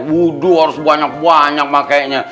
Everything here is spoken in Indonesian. wudu harus banyak banyak makainya